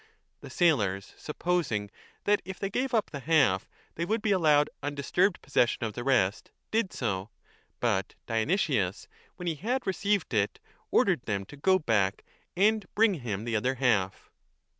The sailors, supposing that if they gave up the half they would be allowed undisturbed possession of the rest, did so ; but Dionysius, when he had received it, ordered them to go back and bring him the other half.